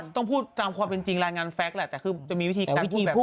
ต้องพูดตามความเป็นจริงรายงานแฟคแหละแต่คือจะมีวิธีการที่แบบ